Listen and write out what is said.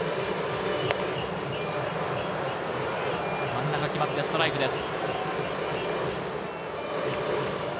真ん中決まってストライクです。